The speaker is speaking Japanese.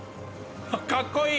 かっこいい！